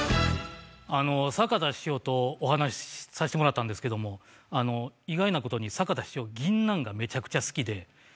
坂田師匠とお話しさしてもらったんですけども意外なことに坂田師匠ぎんなんがめちゃくちゃ好きで。